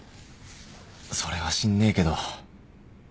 それは知んねえけど。